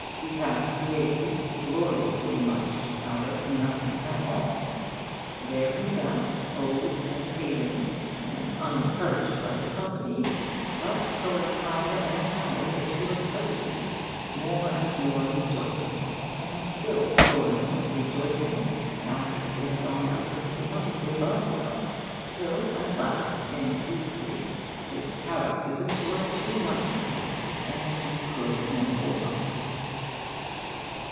He had created gloriously much out of nothing at all. There he sat, old and ailing and unencouraged by the company, but soaring higher and higher in absurdity, more and more rejoicing, and still soaring and rejoicing after he had gone out into the night with Boswell, till at last in Fleet Street his paroxysms were too much for him and he could no more.